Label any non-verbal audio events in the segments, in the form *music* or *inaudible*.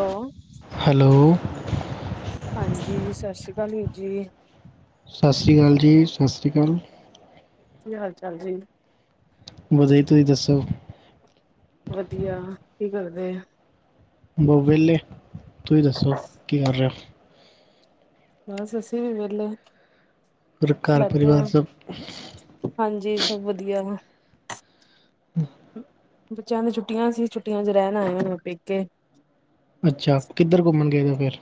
ਹੋ ਹੈਲੋ, ਹਾਂਜੀ। ਸਤਿ ਸ਼੍ਰੀ ਅਕਾਲ ਵੀਰ ਜੀ, ਸਤਿ ਸ਼੍ਰੀ ਅਕਾਲ ਜੀ, ਸਤਿ ਸ਼੍ਰੀ ਅਕਾਲ। ਕੀ ਹਾਲ- ਚਾਲ ਜੀ। ਵਧੀਆ ਜੀ ਤੁਸੀਂ ਦੱਸੋ? ਵਧੀਆ, ਕੀ ਕਰਦੇ? ਬ ਵਿਹਲੇ, ਤੁਸੀਂ ਦੱਸੋ ਕੀ ਕਰ ਰਹੇ ਹੋ? ਬਸ, ਅਸੀਂ ਵੀ ਵਿਹਲੇ। ਪਰ ਘਰ ਬੈਠੇ ਪਰਿਵਾਰ ਹਾਂ ਸਭ ਹਾਂਜੀ ਸਭ ਵਧੀਆ। ਬੱਚਿਆਂ ਦੇ ਛੁੱਟੀਆਂ ਸੀ ਛੁੱਟੀਆ ਚ ਰਹਿਣ ਆਏ ਹੁਨ ਪੇਕੇ। ਅੱਛਾ ਕਿੱਧਰ ਘੁੰਮਣ ਗਏ ਤਾਂ ਫਿਰ?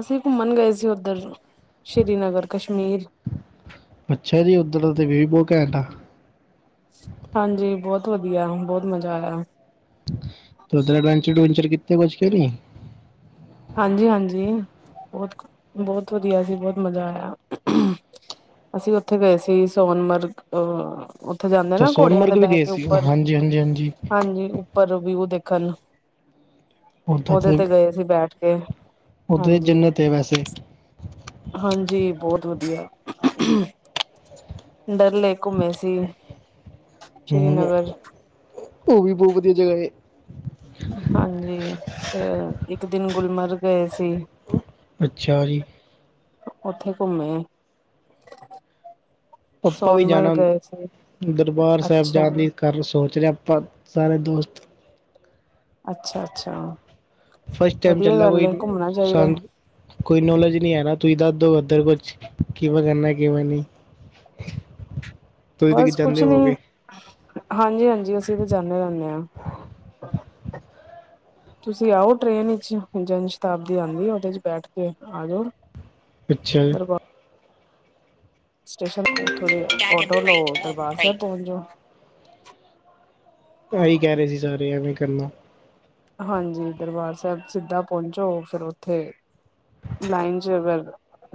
ਅਸੀਂ ਘੁੰਮਣ ਗਏ ਸੀ ਉੱਧਰ, ਸ੍ਰੀਨਗਰ ਕਸ਼ਮੀਰ। ਅੱਛਾ ਜੀ ਉੱਧਰ ਤੇ ਵਿਊ ਬਹੁਤ ਘੈਂਟ ਆ। ਹਾਂਜੀ ਬਹੁਤ ਵਧੀਆ ਬਹੁਤ ਮਜ਼ਾ ਆਇਆ। ਉੱਧਰ ਐਡਵੈਂਚਰ-ਉਡਵੈਂਚਰ ਕਿੱਤੇ ਕੁਛ ਕੇ ਨਹੀ? ਹਾਂਜੀ-ਹਾਂਜੀ ਬਹੁਤ ਬਹੁਤ ਵਧੀਆ ਜੀ ਬਹੁਤ ਮਜ਼ਾ ਆਇਆ। ਅਸੀਂ ਉੱਥੇ ਗਏ ਸੀ ਸੋਨਮਰਗ ਅ ਉੱਥੇ ਜਾਂਦੇ ਅੱਛਾ ਨਾ ਘੋੜਿਆਂ ਦੇ ਸੋਨਮਰਗ ਵੀ ਬਹਿ ਗਏ ਕੇ ਸੀ ਉੱਪਰ, ਹਾਂਜੀ ਹਾਂਜੀ ਹਾਂਜੀ ਹਾਂਜੀ। ਉੱਪਰ ਵਿਊ ਦੇਖਣ, ਉਹਦੇ ਤੇ ਗਏ ਸੀ ਬੈਠ ਕੇ। ਉੱਥੇ ਤਾਂ ਹਾਂਜੀ ਜੰਨਤ ਏ ਵੈਸੇ। ਹਾਂਜੀ ਬਹੁਤ ਵਧੀਆ। ਡਲ ਲੇਕ ਘੁੰਮੇ ਸੀ, ਹਮ, ਸ੍ਰੀਨਗਰ। ਉਹ ਵੀ ਬਹੁਤ ਵਧੀਆ ਜਗ੍ਹਾ ਏ। ਹਾਂਜੀ ਫਿਰ ਇੱਕ ਦਿਨ ਗੁਲਮਰਗ ਗਏ ਸੀ। ਅੱਛਾ ਜੀ। ਉੱਥੇ ਘੁੰਮੇ। ਆਪਾ ਵੀ ਸੋਨਮਰਗ ਜਾਣਾ, ਗਏ ਸੀ ਦਰਬਾਰ ਸਾਹਿਬ ਅੱਛਾ ਜਾਣ ਕੇ ਸੋਚ ਰਹੇ ਆਪਾਂ ਸਾਰੇ ਦੋਸਤ। ਅੱਛਾ-ਅੱਛਾ। ਫਸਟ ਟਾਈਮ ਚੱਲਾ ਕੋਈ, ਚਾਹੀਦਾ ਸੰਗ। ਕੋਈ ਨੌਲੇਜ ਨਹੀਂ ਹੈ ਨਾ ਤੁਸੀਂ ਦੱਸ ਦੋ ਇੱਧਰ ਕੁਛ, ਕਿਵੇਂ ਕਰਨਾ ਕਿਵੇਂ ਨਹੀਂ। ਤੁਸੀਂ ਤਾਂ ਕਿ ਬਸ ਕੁਛ ਜਾਂਦੇ ਨਹੀਂ ਹੋਵੋਗੇ ਹਾਂਜੀ-ਹਾਂਜੀ ਅਸੀਂ ਵੀ ਜਾਨੇ ਰਹਿੰਨੇ ਆ। ਤੁਸੀਂ ਆਓ ਟ੍ਰੇਨ ਵਿੱਚ ਜੰਨ ਸ਼ਤਾਬਦੀ ਆਂਦੀ ਉਹਦੇ ਚ ਬੈਠ ਕੇ ਆ ਜੋ। ਅੱਛਾ ਸਟੇਸ਼ਨ ਉੱਥੋਂ ਦੀ ਆਟੋ ਲਓ ਦਰਬਾਰ ਸਾਹਿਬ ਪਹੁੰਚ ਜਾਓ। ਆਹੀ ਕਹਿ ਰਹੇ ਸੀ ਸਾਰੇ ਜਾਣੇ ਕਰਨਾ। ਹਾਂਜੀ ਦਰਬਾਰ ਸਾਹਿਬ ਸਿੱਧਾ ਪਹੁੰਚੋ ਫਿਰ ਉੱਥੇ, ਲਾਈਨ ਚ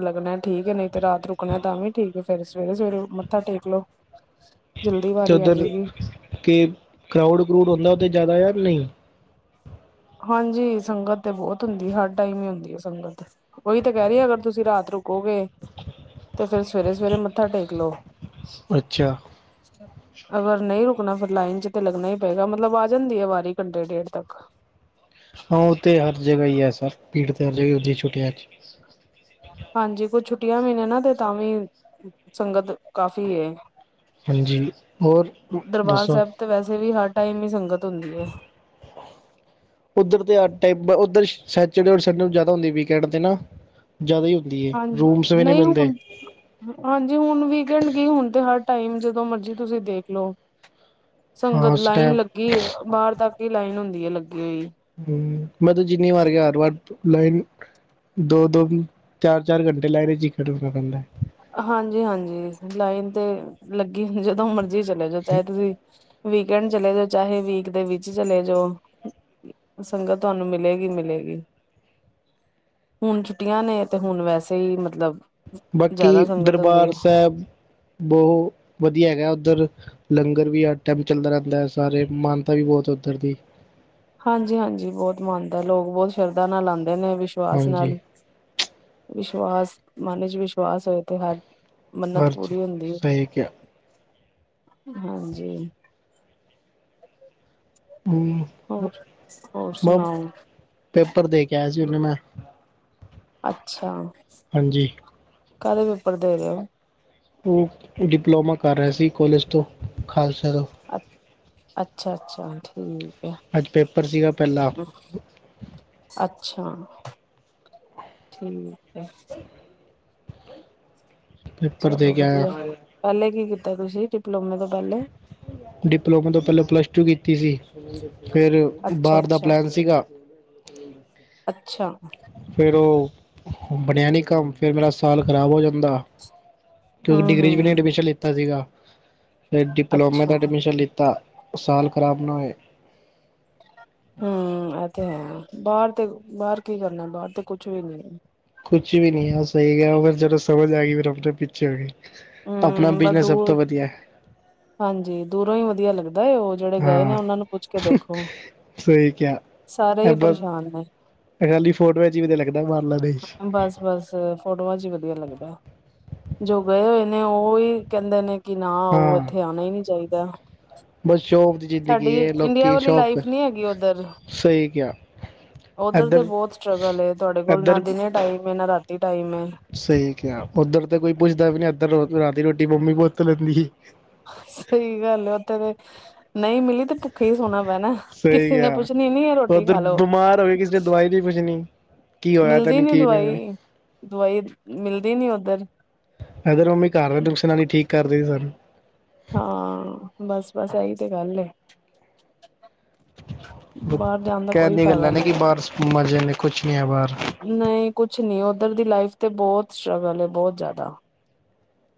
ਲੱਗਣਾ ਠੀਕ ਹੈ ਨਹੀਂ ਤੇ ਰਾਤ ਰੁਕਣਾ ਤਾਂ ਵੀ ਠੀਕ ਹੈ ਫੇਰ ਸਵੇਰੇ ਸਵੇਰੇ ਮੱਥਾ ਟੇਕ ਲੋ। *unintelligible* ਤੇ ਆ ਉੱਧਰ, ਜਾਏਗੀ ਕਿ ਕਰਾਊਡ-ਕਰਾਊਡ ਹੁੰਦਾ ਉਹ ਤਾਂ ਜ਼ਿਆਦਾ ਆ ਨਹੀਂ? ਹਾਂਜੀ ਸੰਗਤ ਤੇ ਬਹੁਤ ਹੁੰਦੀ ਹਰ ਟਾਈਮ ਹੀ ਹੁੰਦੀ ਹੈ ਸੰਗਤ। ਉਹੀ ਤਾਂ ਕਹਿ ਰਹੀ ਅਗਰ ਤੁਸੀਂ ਰਾਤ ਰੁਕੋਗੇ, ਤੇ ਫੇਰ ਸਵੇਰੇ ਸਵੇਰੇ ਮੱਥਾ ਟੇਕ ਲਓ। ਅੱਛਾ *unintelligible* ਅਗਰ ਨਹੀਂ ਰੁਕਣਾ ਫਿਰ ਲਾਈਨ ਚ ਤੇ ਲੱਗਣਾ ਹੀ ਪਏਗਾ ਮਤਲਬ ਆ ਜਾਂਦੀ ਹੈ ਵਾਰੀ ਘੰਟੇ ਡੇਢ ਤੱਕ। ਹਾਂ ਉਥੇ ਹਰ ਜਗ੍ਹਾ ਹੀ ਹੈ ਸਭ ਭੀੜ ਤੇ ਹਰ ਜਗ੍ਹਾ ਹੁੰਦੀ ਛੁੱਟੀਆਂ 'ਚ। ਹਾਂਜੀ ਕੁਝ ਛੁੱਟੀਆਂ ਵੀ ਨੇ ਨਾ ਤੇ ਤਾਂ ਵੀ, ਸੰਗਤ ਕਾਫ਼ੀ ਏ। ਹਾਂਜੀ, ਹੋਰ, ਦਰਬਾਰ ਦੱਸੋ। ਸਾਹਿਬ ਤੇ ਵੈਸੇ ਵੀ ਹਰ ਟਾਈਮ ਹੀ ਸੰਗਤ ਹੁੰਦੀ ਐ। ਉੱਧਰ ਤੇ ਹਰ ਟਾਈਮ ਉਧਰ ਸੈਚਡੇ ਔਰ ਸੰਡੇ ਨੂੰ ਜਿਆਦਾ ਹੁੰਦਾ ਵੀਕਐਂਡ ਤੇ ਨਾ, ਜ਼ਿਆਦਾ ਹੀ ਹੁੰਦੀ ਏ। ਹਾਂਜੀ ਰੂਮਸ ਵੀ ਨਹੀਂ ਮਿਲਦੇ। ਹੁਣ ਹਾਂਜੀ ਹੁਣ ਵੀਕਐਂਡ ਕੀ ਹੁਣ ਤੇ ਹਰ ਟਾਈਮ ਜਦੋਂ ਮਰਜੀ ਤੁਸੀਂ ਦੇਖ ਲੋ। ਹਾਂ ਸੰਗਤ ਲਾਈਨ ਸਟੈਪ ਲੱਗੀ ਬਾਹਰ ਤੱਕ ਹੀ ਲਾਈਨ ਹੁੰਦੀ ਹੈ ਲੱਗੀ ਹੋਈ। ਹੂੰ ਮੈਂ ਤੂੰ ਜਿੰਨੀ ਵਾਰ ਗਿਆ ਹਰ ਵਾਰ, ਲਾਈਨ ਦੋ-ਦੋ, ਚਾਰ-ਚਾਰ ਘੰਟੇ ਲੱਗ ਲਾਈਨ 'ਚ ਹੀ ਖੜਨਾ ਪੈਂਦਾ। ਹਾਂਜੀ-ਹਾਂਜੀ ਲਾਈਨ ਤੇ ਲੱਗੀ ਹੁੰਦੀ ਜਦੋਂ ਮਰਜੀ ਚਲੇ ਜਾਓ ਚਾਹੇ ਤੁਸੀਂ ਵੀਕਐਂਡ ਚਲੇ ਜੋ, ਚਾਹੇ ਵੀਕ ਦੇ ਵਿੱਚ ਚਲੇ ਜਾਓ। ਸੰਗਤ ਤੁਹਾਨੂੰ ਮਿਲੇਗੀ ਹੀ ਮਿਲੇਗੀ ਹੁਣ ਛੁੱਟੀਆਂ ਨੇ, ਤੇ ਹੁਣ ਵੈਸੇ ਹੀ ਮਤਲਬ ਜ਼ਿਆਦਾ ਬਾਕੀ ਸੰਗਤ ਹੁੰਦੀ ਦਰਬਾਰ ਹੈ ਸਾਹਿਬ, ਬਹੁਤ ਵਧੀਆ ਹੈਗਾ ਉੱਧਰ ਲੰਗਰ ਵੀ ਹੱਰ ਟਾਈਮ ਚੱਲਦਾ ਰਹਿੰਦਾ ਹੈ, ਸਾਰੇ ਮਾਨਤਾ ਵੀ ਬਹੁਤ ਹੈ ਉੱਧਰ ਦੀ ਹਾਂਜੀ ਹਾਂਜੀ ਬਹੁਤ ਮਨਦਾ ਲੋਕ, ਬਹੁਤ ਸ਼ਰਧਾ ਨਾਲ ਆਉਂਦੇ ਨੇ, ਵਿਸ਼ਵਾਸ ਹਾਂਜੀ ਨਾਲ ਵਿਸ਼ਵਾਸ, ਮਨ ਚ ਵਿਸ਼ਵਾਸ ਹੋਏ, ਤੇ ਹਰ ਮੰਨਤ ਹਰ ਚੀਜ਼ ਪੂਰੀ ਹੁੰਦੀ ਹੈ ਸਹੀ ਕਿਹਾ ਹਾਂਜੀ ਹਾ *unintelligible* ਹੋਰ ਹੋਰ ਸੁਣਾਓ? ਪੇਪਰ ਦੇ ਕੇ ਆਇਆ ਸੀ ਹੁਣੇ ਮੈਂ। ਅੱਛਾ ਹਾਂਜੀ ਕਾਹਦੇ ਪੇਪਰ ਦੇ ਰਹੇ ਔ। ਉਹ ਡਿਪਲੋਮਾ ਕਰ ਰਿਹਾ ਸੀ, ਕੋਲਜ ਤੋਂ, ਖਾਲਸਾ ਤੋਂ ਅ ਅੱਛਾ ਅੱਛਾ ਠੀਕ ਐ ਅੱਜ ਪੇਪਰ ਸੀਗਾ ਪਹਿਲਾ ਅੱਛਾ ਠੀਕ ਹੈ ਪੇਪਰ ਦੇ ਚਲੋ ਕੇ ਵਧੀਆ, ਆਇਆ ਪਹਿਲੇ ਕੀ ਕੀਤਾ ਤੁਸੀਂ, ਡਿਪਲੋਮੇ ਤੋਂ ਪਹਿਲੇ ਡਿਪਲੋਮਾ ਤੋਂ ਪਹਿਲਾਂ ਪਲੱਸ ਟੂ ਕੀਤੀ ਸੀ, ਫਿਰ ਅੱਛਾ ਬਾਹਰ ਦਾ ਅੱਛਾ ਪਲੈਨ ਸੀਗਾ ਅੱਛਾ ਫੇਰ ਉਹ ਬਣਿਆ ਨੀ ਕੰਮ, ਫੇਰ ਮੇਰਾ ਸਾਲ ਖ਼ਰਾਬ ਹੋ ਜਾਂਦਾ ਕਿਉਂਕਿ ਹਮ ਡਿਗਰੀ ਚ ਵੀ ਨਹੀਂ ਹਮ ਅਡਮਿਸ਼ਨ ਲਿੱਤਾ ਸੀਗਾ, ਫਿਰ ਡਿਪਲੋਮੇ ਦਾ ਅੱਛਾ ਐਡਮਿਸ਼ਨ ਲਿੱਤਾ। ਉਸ ਸਾਲ ਖਰਾਬ ਨਾ ਹੋਏ। ਹੂ, ਇਹ ਤੇ ਹੈ, ਬਾਹਰ ਤੇ ਬਾਹਰ ਕੀ ਕਰਨਾ, ਬਾਹਰ ਤੇ ਕੁਛ ਵੀ ਨੀ। ਕੁਛ ਵੀ ਨਹੀਂ ਆ ਸਹੀ ਗਿਆ ਫਿਰ ਜਦੋਂ ਸਮਝ ਆ ਗਈ, ਫਿਰ ਡਾਕਟਰ ਪਿੱਛੇ ਹੋ ਗਏ ਆਪਣਾ ਹਮ ਬਸ ਬਿਜਨਸ ਸਭ ਤੋਂ, ਦੂਰ ਵਧੀਆ ਹਾਂਜੀ, ਦੂਰੋਂ ਹੀ ਵਧੀਆ ਲੱਗਦਾ, ਉਹ ਜਿਹੜੇ ਗਏ ਨੇ ਹਾਂ ਉਹਨਾਂ ਨੂੰ, ਪੁੱਛ ਕੇ ਦੇਖੋ ਸਹੀ ਕਿਆ ਸਾਰੇ ਹੀ ਅ ਪਰੇਸ਼ਾਨ ਨੇ ਇਹਨਾਂ ਦੀ ਫੋਟ ਚ ਅਜੀਬ ਜਯਾ ਲੱਗਦਾ, ਬਾਰਲਾ ਦੇਸ਼ ਬਸ ਫੋਟੋਆਂ ਚ ਹੀ ਵਧੀਆ ਲੱਗਦਾ, ਜੋ ਗਏ ਹੋਏ ਨੇ ਉਹਹੀ ਕਹਿੰਦੇ ਨੇ ਕਿ ਨਾ ਆਓ, ਹਾਂ ਇੱਥੇ ਆਉਣਾ ਹੀ ਨਹੀਂ ਚਾਹੀਦਾ ਬਸ ਸ਼ੌਕ ਦੀ ਸਾਡੀ ਜ਼ਿੰਦਗੀ ਹੈ, ਇੰਡੀਆ ਲੋਕੀ ਵਾਲੀ ਸ਼ੌਕ ਲਾਈਫ ਨਹੀਂ ਹੈਗੀ ਸਹੀ ਕਿਆ ਉਧਰ ਤੇ ਬਹੁਤ ਸਟਰਗਲ ਏ, ਤੁਹਾਡੇ ਕੋਲ ਨਾ ਇੱਧਰ ਦਿਨੇ ਟਾਈਮ ਐ, ਨਾ ਰਾਤੀ ਟਾਈਮ ਐ ਸਹੀ ਕਿਹਾ, ਉੱਧਰ ਤਾਂ ਕੋਈ ਪੁੱਛਦਾ ਵੀ ਨੀ, ਇੱਧਰ ਰਾਤੀ ਰੋਟੀ ਮੰਮੀ ਪੁੁਤ ਲੈਂਦੀ ਸੀ ਸਹੀ ਗੱਲ, ਉੱਥਰ ਨਹੀਂ ਮਿਲੀ, ਤੇ ਭੁੱਖੇ ਹੀ ਸੋਹਣਾ ਪੈਣਾ ਸਹੀ ਕਿਸੀ ਨੇ ਕਿਹਾ ਪੁੱਛਣੀ ਨੀ ਹੈ, ਰੋਟੀ ਉੱਧਰ ਖਾ ਲਓ ਬਿਮਾਰ ਹੋਵੇ ਕਿਸੇ ਨੇ ਦਵਾਈ ਨੀ ਪੁੱਛਣੀ। ਕੀ ਹੋਇਆ ਮਿਲਦੀ ਤੈਨੂੰ ਨੀ ਕੀ ਦਵਾਈ, ਹੋਇਆ ਦਵਾਈ ਮਿਲਦੀ ਨੀ ਉੱਧਰ ਇੱਧਰ ਮੰਮੀ ਘਾਰ ਹੋਏ, ਤੇ ਉਸ ਨਾਲ ਹੀ ਠੀਕ ਕਰਦੇ ਸੀ ਸਾਨੂੰ ਹਾਂ ਬਸ ਬਸ, ਆਈ ਤੇ ਗੱਲ ਹੈ ਬਾਹਰ ਜਾਣ ਦਾ ਕਹਿਣ ਕੋਈ ਦੀਆਂ ਗੱਲਾਂ ਫਾਇਦਾ ਨੇ ਨਹੀਂ ਕਿ ਹੈਗਾ ਬਾਹਰ ਮਜ਼ੇ ਨੇ ਕੁਛ ਨਹੀਂ ਆ ਬਾਹਾਰ ਨਹੀਂ ਕੁਛ ਨੀ, ਉੱਧਰ ਦੀ ਲਾਈਫ ਤੇ ਬਹੁਤ ਸਟਰਗਲ ਐ, ਬਹੁਤ ਜ਼ਿਆਦਾ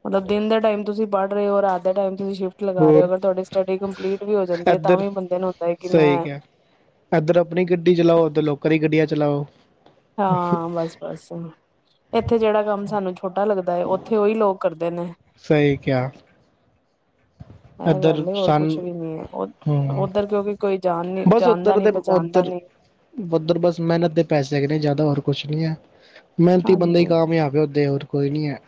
ਮਤਲਬ ਦਿਨ ਦੇ ਟਾਈਮ ਤੁਸੀਂ ਪੜ੍ਹ ਰਹੇ ਹੋ, ਰਾਤ ਦੇ ਟਾਈਮ ਤੁਸੀਂ ਸ਼ਿਫਟ ਲਗਾ ਰਹੇ ਹੋ, ਹੋਰ ਅਗਰ ਤੁਹਾਡੀ ਸਟੱਡੀ ਕੰਪਲੀਟ ਵੀ ਹੋ ਜਾਂਦੀ ਹੈ, ਤਾਂ ਇੱਧਰ ਵੀ ਬੰਦੇ ਨੂੰ ਹੁੰਦਾ ਹੈ ਕਿ ਸਹੀ ਮੈਂ ਕਿਹਾ ਇੱਧਰ ਆਪਣੀ ਗੱਡੀ ਚਲਾਓ, ਉਧਰ ਲੋਕਾਂ ਦੀ ਗੱਡੀਆਂ ਚਲਾਓ ਹਾਂ ਬਸ ਬਸ ਇੱਥੇ ਜਿਹੜਾ ਕੰਮ ਸਾਨੂੰ ਛੋਟਾ ਲੱਗਦਾ ਹੈ, ਉੱਥੇ ਉਹੀ ਲੋਕ ਕਰਦੇ ਨੇ ਸਹੀ ਕੇਹਾ ਆਹ ਗੱਲ ਏ, ਹੋਰ ਸਨ ਕੁਛ ਵੀ ਨੀ ਹੈ, ਉਧ ਹੂੰ ਉੱਧਰ ਕਿਉਂਕਿ ਕੋਈ ਜਾਣ ਨੀ ਬਸ ਜਾਣਦਾ ਉੱਧਰ ਨੀ ਦੇ ਪਚਾਣਦਾ ਉੱਧਰ ਨੀ। ਉੱਧਰ ਬਸ ਮਿਹਨਤ ਦੇ ਪੈਸੇ ਹੈਗੇ ਨੇ ਜ਼ਿਆਦਾ ਹੋਰ ਕੁਛ ਨੀ ਹੈ ਮਿਹਨਤੀ ਬੰਦੇ ਹੀ ਹਾਂਜੀ ਕਾਮਯਾਬ ਹੈ ਉਦੇ ਹੋਰ ਕੋਈ ਨੀ ਹੈ।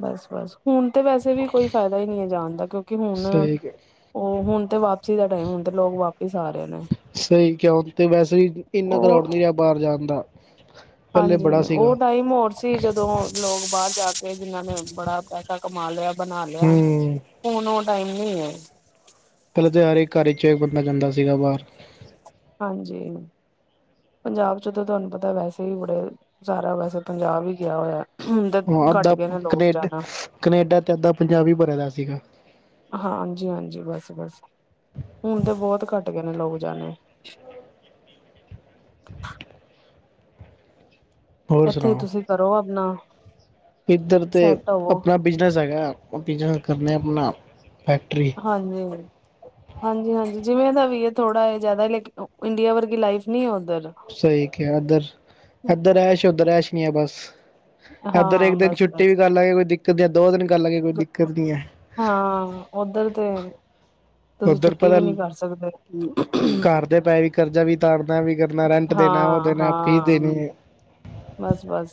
ਬਸ ਬਸ ਹੁਣ ਤੇ ਵੈਸੇ ਵੀ ਕੋਈ ਫਾਇਦਾ ਹੀ ਨਹੀਂ ਹੈ ਜਾਣ ਦਾ ਕਿਉਂਕਿ ਕਿ ਹੁਣ ਸਹੀ ਉਹ ਹੁਣ ਤੇ ਵਾਪਸੀ ਦਾ ਟਾਈਮ ਹੁਣ ਤੇ ਲੋਕ ਵਾਪਿਸ ਆ ਰਹੇ ਨੇ। ਸਹੀ ਕਿਉਂ ਤੇ ਵੈਸੇ ਵੀ ਇੰਨਾ ਕਰਾਊਡ ਉਹ ਨਹੀਂ ਰਿਹਾ ਬਾਹਰ ਜਾਣ ਦਾ। ਪਹਿਲੇ ਬੜਾ ਹਾਂਜੀ ਸੀਗਾ ਉਹ ਟਾਈਮ ਹੋਰ ਸੀ ਜਦੋਂ ਲੋਕ ਬਾਹਰ ਜਾ ਕੇ ਜਿੰਨਾਂ ਨੇ ਬੜਾ ਪੈਸਾ ਕਮਾ ਲਿਆ ਬਣਾ ਲਿਆ। ਹੂੰ ਹੁਣ ਉਹ ਟਾਈਮ ਨਹੀਂ ਏ। ਪਹਿਲਾਂ ਤਾਂ ਹਰ ਇੱਕ ਘਰ ਚ ਬੰਦਾ ਜਾਂਦਾ ਸੀਗਾ ਬਾਹਰ। ਹਾਂਜੀ। ਪੰਜਾਬ ਜਦੋਂ ਤੁਹਾਨੂੰ ਪਤਾ ਵੈਸੇ ਵੀ ਬੜੇ ਸਾਰਾ ਵੈਸੇ ਪੰਜਾਬ ਹੀ ਗਿਆ ਹੋਇਆ। ਹੁਣ ਤਾਂ ਹਾਂ ਘੱਟ ਅੱਧਾ ਗਏ ਨੇ ਲੋਕ ਕਨੇਡਾ ਜਾਣਾ। ਕਨੇਡਾ ਤੇ ਅੱਧਾ ਪੰਜਾਬੀ ਭਰਿਆ ਸੀਗਾ। ਹਾਂ ਹਾਂਜੀ ਹਾਂਜੀ ਬਸ ਬਸ ਹੁਣ ਤਾਂ ਬਹੁਤ ਘੱਟ ਗਏ ਨੇ ਲੋਕ ਜਾਣਾ। ਹੋਰ ਇੱਥੇ ਸੁਣਾਓ ਤੁਸੀ ਕਰੋ ਆਪਣਾ ਇੱਧਰ ਤੇ ਸੈਟ ਹੋਵੋ ਆਪਣਾ ਬਿਜਨਸ ਹੈਗੇ ਕਰਨੇ ਆ ਆਪਣਾ ਫੈਕਟਰੀ। ਹਾਂਜੀ। ਹਾਂਜੀ ਹਾਂਜੀ ਜਿਵੇਂ ਦਾ ਵੀ ਹੈ ਥੋੜਾ ਇਹ ਜ਼ਿਆਦਾ ਲੇਕਿਨ ਇੰਡੀਆ ਵਰਗੀ ਲਾਈਫ ਨਈ ਏ ਉੱਧਰ। ਸਹੀ ਕਿਹਾ ਇੱਧਰ ਇੱਧਰ ਐਸ਼ ਉੱਧਰ ਐਸ਼ ਨਹੀ ਹੈ ਬਸ। ਇੱਧਰ ਇੱਕ ਹਾਂ ਦਿਨ ਬਸ ਛੁੱਟੀ ਵੀ ਬਸ ਕਰ ਲਾਂਗੇ ਕੋਈ ਦਿੱਕਤ ਨਹੀਂ ਹੈ ਦੋ ਦਿਨ ਕਰ ਲਾਂਗੇ ਕੋਈ ਦਿੱਕਤ ਨੀ ਹੈ। ਹਾਂ ਉਧਰ ਤੇ ਤੁਸੀਂ ਉੱਧਰ ਛੁੱਟੀ ਪਤਾ ਵੀ ਨਹੀਂ ਕਰ ਸਕਦੇ। ਘਰ ਦੇ ਪੈ ਵੀ ਕਰਜ਼ਾ ਵੀ ਤਾਰਨਾ ਵੀ ਕਰਨਾ ਰਹਦਾ। ਦੇਣਾ ਉਹ ਹਾਂ ਦੇਣਾ ਫੀਸ ਹਾਂ ਦੇਣੀ ਏ। ਬਸ ਬਸ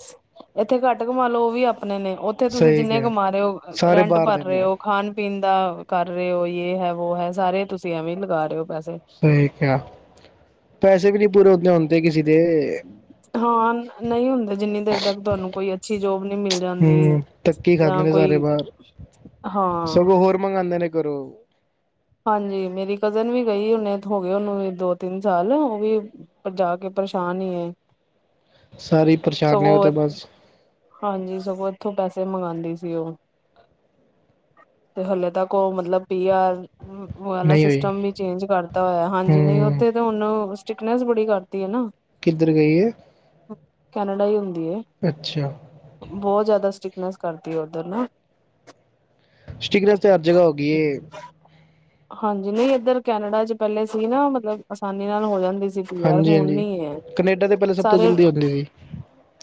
ਇੱਥੇ ਘੱਟ ਘਮਾ ਲੋ ਉਹ ਵੀ ਆਪਣੇ ਨੇ। ਉੱਥੇ ਤੁਸੀ ਸਹੀ ਜਿੰਨੇ ਕਿਹਾ ਕਮਾ ਰਹੇ ਹੋ ਸਾਰੇ ਰੈਂਟ ਬਾਹਰ ਭਰ ਦੇ ਰਹੇ ਨੇ ਹੋ ਖਾਣ ਪੀਣ ਦਾ ਕਰ ਰਹੇ ਹੋ ਯੇਹ ਹੈ ਵੋ ਹੈ ਸਾਰੇ ਤੁਸੀਂ ਐਵੇਂ ਲਗਾ ਰਹੇ ਹੋ ਪੈਸੇ। ਸਹੀ ਕਿਆ ਪੈਸੇ ਵੀ ਨਹੀਂ ਪੂਰੇ ਉਤਣੇ ਹੁੰਦੇ ਕਿਸੀ ਦੇ। ਹਾਂ ਨਈ ਹੁੰਦੇ ਜਿੰਨੀ ਦੇਰ ਤੱਕ ਤੁਹਾਨੂੰ ਕੋਈ ਅੱਛੀ ਜੋਬ ਨਹੀਂ ਮਿਲ ਜਾਂਦੀ। ਹਮ ਧੱਕੀ ਖਾਂਦੇ ਜਾਂ ਨੇ ਸਾਰੇ ਕੋਈ ਬਾਹਰ। ਹਾਂ। ਮੈਂ ਅੰ ਨੇ ਕਰੋ ਹਾਂਜੀ ਮੇਰੀ ਕਜ਼ਨ ਵੀ ਗਈ ਉਹਨੇ ਹੋ ਗਏ ਉਹਨੂੰ ਦੋ ਤਿੰਨ ਸਾਲ ਉਹ ਵੀ। ਪਰ ਜਾ ਕੇ ਪਰੇਸ਼ਾਨ ਹੀ ਏ। ਸਾਰੇ ਈ ਪਰੇਸ਼ਾਨ ਨੇ ਉਹ ਤੇ ਬਸ। ਹਾਂਜੀ ਸਗੋਂ ਇੱਥੋਂ ਪੈਸੇ ਮੰਗਵਾਉਂਦੀ ਸੀ ਉਹ। ਤੇ ਹਲੇ ਤੱਕ ਉਹ ਮਤਲਬ ਪੀ ਆਰ ਉਹ ਵਾਲਾ ਨਹੀਂ ਹੋਈ ਸਿਸਟਮ ਵੀ ਚੇਂਜ ਕਰਤਾ ਹੋਇਆ ਹਾਂਜੀ ਨਹੀਂ ਹੂੰ ਉੱਥੇ ਹੁਣ ਸਟਿਕਨੈਸ ਬੜੀ ਕਰਤੀ ਏ ਨਾ। ਕਿੱਧਰ ਗਈ ਏ। ਕੈਨੇਡਾ ਹੀ ਹੁੰਦੀ ਏ। ਅੱਛਾ। ਬਹੁਤ ਜ਼ਿਆਦਾ ਸਟਿਕਨੈਸ ਕਰਦੀ ਹੈ ਉੱਧਰ ਨਾ। ਸਟ੍ਰਿਕਨੈੱਸ ਤੇ ਹਰ ਜਗ੍ਹਾ ਹੋ ਗਈ ਏ। ਹਾਂਜੀ ਨਹੀਂ ਇੱਧਰ ਕੈਨੇਡਾ ਚ ਪਹਿਲੇ ਸੀ ਨਾ ਮਤਲਬ ਆਸਾਨੀ ਨਾਲ ਹੋ ਜਾਂਦੀ ਸੀ। ਯਾਰ ਹਾਂਜੀ ਹੁਣ ਹਾਂਜੀ ਨੀ ਏ ਕਨੇਡਾ ਤੇ ਪਹਿਲੇ ਸਭ ਤੋਂ ਸਾਰੇ ਜਲਦੀ ਹੁੰਦੀ ਸੀ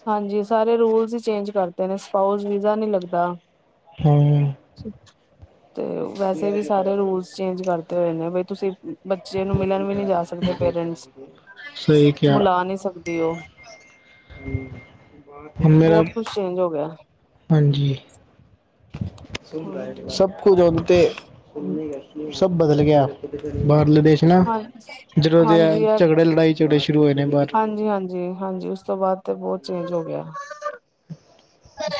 ਹਾਂਜੀ ਸਾਰੇ ਰੂਲਸ ਹੀ ਚੇਂਜ ਕਰਤੇ ਨੇ ਸਪਾਊਸ ਵੀਜ਼ਾ ਨੀ ਲੱਗਦਾ। ਹੂੰ ਤੇ ਵੈਸੇ ਵੀ ਐਸਸਚੇਂਜ ਕਰਤੇ ਹੋਏ ਨੇ ਤੁਸੀ ਬੱਚੇ ਨੂੰ ਮਿਲਣ ਵੀ ਨੀ ਜਾ ਸਕਦੇ ਪੇਰੇਂਟਸ। ਸਹੀ ਕਿਹਾ ਬੁਲਾ ਨਹੀ ਸਕਦੀ ਉਹ। ਮੇਰਾ ਬਹੁਤ ਕੁਛ ਚੇਂਜ ਹੋ ਗਿਆ ਹਾਂਜੀ ਹਾਂਜੀ ਸਭ ਕੁਝ ਹੁਣ ਤੇ ਸਭ ਬਦਲ ਗਿਆ। ਬਾਹਰਲੇ ਦੇਸ਼ ਹਨਾ ਹਾਂ ਜਦੋਂ ਦੇ ਆ ਹਾਂਜੀ ਇਹ ਝਗੜੇ ਲੜਾਈ- ਝਗੜੇ ਸ਼ੁਰੂ ਹੋਏ ਨੇ ਬਾਹਰ। ਹਾਂਜੀ ਹਾਂਜੀ ਹਾਂਜੀ ਉਸ ਤੋਂ ਬਾਅਦ ਤੇ ਬਹੁਤ ਚੇਂਜ ਹੋ ਗਿਆ।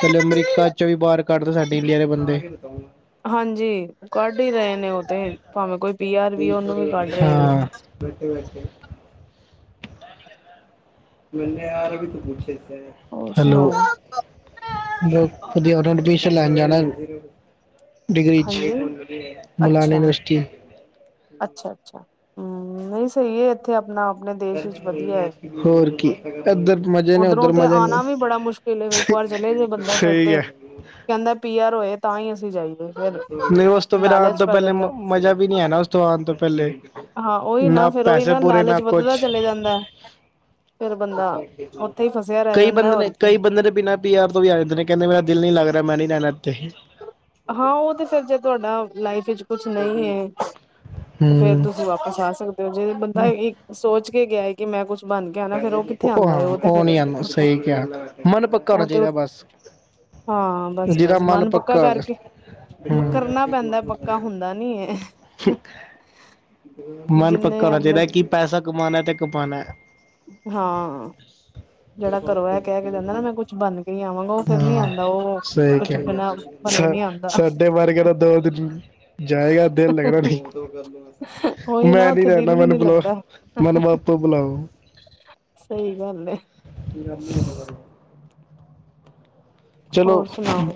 ਪਹਿਲੇ ਅਮਰੀਕਾ ਚ ਵੀ ਬਾਹਰ ਕੱਢਦਾ ਸਾਡੇ ਇੰਡੀਆ ਦੇ ਬੰਦੇ ਹਾਂਜੀ ਕੱਢ ਹੀ ਰਹੇ ਨੇ ਉਹ ਤੇ ਭਾਵੇਂ ਕੋਈ ਪੀ -ਆਰ ਵੀ ਉਹਨੂੰ ਵੀ ਕੱਢ ਰਹੇ ਨੇ। ਹਾਂ, ਨੇ ਆਰ ਵੀ ਹੋਰ ਹੈਲੋ ਸੁਣਾਓ। ਵਧੀਆ ਉਹਨੂੰ ਐਡਮਿਸ਼ਨ ਲੈਣ ਜਾਣਾ ਡਿਗਰੀ ਹਾਂਜੀ ਮੁਲਾਨਾ ਅੱਛਾ ਯੂਨੀਵਰਸਿਟੀ ਅੱਛਾ ਅੱਛਾ ਹੂੰ ਨਹੀਂ ਸਹੀ ਐ ਇੱਥੇ ਆਪਣਾ- ਆਪਣੇ ਦੇਸ਼ ਵਿੱਚ ਵਧੀਆ ਏੈ ਹੋਰ ਕੀ ਇੱਧਰ ਮਜ਼ੇ ਨੇ ਉੱਧਰੋਂ ਉੱਧਰ ਤੇ ਮਜ਼ੇ ਆਉਣਾ ਨਹੀਂ ਵੀ ਬੜਾ ਮੁਸ਼ਕਲ। ਵਲੇ ਇੱਕ ਵਾਰ ਚਲੇ ਜੇ ਬੰਦਾ ਫਿਰ ਸਹੀ ਤੇ ਹੈ ਕਹਿੰਦਾ ਪੀ- ਆਰ ਹੋਏ ਤਾਂ ਹੀ ਅਸੀਂ ਜਾਈਏ। ਫਿਰ ਨਹੀਂ ਉਸ ਤੋਂ ਫੇਰ ਆਉਣ ਲਾਲਚ ਤੋਂ ਪੈ ਪਹਿਲੇ ਜਾਂਦਾ। ਮਜ਼ਾ ਵੀ ਨਹੀਂ ਆਉਣਾ ਥੋਂ ਆਉਣ ਤੋਂ ਪਹਿਲੇ ਹਾਂ ਉਹੀ ਨਾ ਫੇਰ ਉਹੀ ਪੈਸੇ ਪੂਰੇ ਨਾ ਲਾਲਚ ਵੱਧਦਾ ਕੁਛ ਚਲੇ ਜਾਂਦਾ ਫੇਰ ਬੰਦਾ ਉੱਥੇ ਹੀ ਫਸਿਆ ਰਹਿ ਕਈ ਜਾਂਦਾ ਬੰਦੇ ਹੋਰ ਨੇ ਕੀ ਕਈ ਬੰਦੇ ਦੇ ਬਿਨਾਂ ਯਾਰ ਤੋਂ ਵੀ ਆ ਜਾਂਦੇ ਕਹਿੰਦੇ ਮੇਰਾ ਦਿਲ ਨੀ ਲਗਦਾ ਹਾ ਮੈਂ ਨੀ ਰਹਿਣਾ ਇੱਥੇ, ਹਾਂ ਉਹ ਤੇ ਫਿਰ ਜੇ ਤੁਹਾਡਾ ਲਾਈਫ ਵਿੱਚ ਕੁਛ ਨਹੀਂ ਹੈ ਤੇ ਫੇਰ ਹੂੰ ਤੁਸੀਂ ਵਾਪਿਸ ਆ ਸਕਦੇ ਹੋ ਜੇ ਬੰਦਾ ਇੱਕ ਸੋਚ ਕੇ ਗਿਆ। ਕਿ ਮੈਂ ਕੁਛ ਬਣ ਕੇ ਆ ਨਾ ਫੇਿਰ ਉਹ ਕਿੱਥੇ ਆਉਂਦਾ ਹੈ ਹਾਂ ਉਹ ਤੇ ਫਿਰ ਨੀ ਆਂਦਾ ਸਹੀ ਕਿਹਾ ਮਨ ਪੱਕਾ ਹੋਣਾ ਉਹ ਤੇ ਚਾਹੀਦਾ ਬਸ ਹਾਂ ਬਸ ਬਸ ਮਨ ਪੱਕਾ ਕਰਕੇ, ਹੂੰ ਕਰਨਾ ਪੈਂਦਾ ਪੱਕਾ ਹੁੰਦਾ ਨੀ, ਮਨ ਪੱਕਾ ਜਿੰਨੇ ਹੋਣਾ ਆਪਣੇ ਚਾਹੀਦਾ ਕਿ ਪੈਸਾ ਕਮਾਾਉਣਾ ਤੇ ਕਮਾਉਣਾ ਹਾਂ, ਜਿਹੜਾ ਘਰੋਂ ਹੈ ਕਹਿ ਕੇ ਜਾਂਦਾ ਨਾ ਮੈਂ ਕੁਛ ਬਨ ਕੇ ਹੀ ਆਵਾਂਗਾ ਉਹ ਫਰ ਨੀ ਹਾਂ ਆਉਂਦਾ ਉਹ ਸਹੀ ਕੁੱਛ ਕਿਹਾ ਬਿਨਾਂ ਬਣੇ ਨੀ ਆਉਂਦਾ ਸਾਡੇ ਮਰ ਗ ਤਾਂ ਦੋ ਦਿਨ ਜਾਏਗਾ ਦਿਲ ਲੱਗਣਾ ਨੀ ਉਹੀ ਨਾ ਮੈਂ ਨੀ ਉੱਥੇ ਰਹਿਣਾ ਦਿਲ ਵੀ ਮੈਨੂੰ ਨੀ ਬੁਲਾ ਲੱਗਦਾ ਮੈਨੂੰ *unintelligible* ਬੁਲਾਓ। ਸਹੀ ਗੱਲ ਹੈਏ *inaudible* ਚਲੋ ਹੋਰ ਸੁਣਾਓ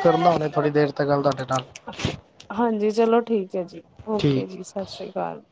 ਕਰਨਾ ਹੇ ਥੋੜ੍ਹੀ ਦੇਰ ਤ ਗੱਲ ਤੁਹਾਡੇ ਨਾਲ ਹਾਂਜੀ ਚਲੋ ਠੀਕ ਹੈ ਜੀ ਠੀਕ ਓਕੇ ਜੀ ਸਤਿ ਸ਼੍ਰੀ ਅਕਾਲ